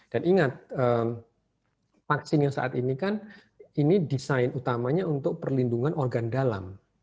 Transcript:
dan ingat vaksin yang saat ini kan ini desain utamanya untuk perlindungan organ dalam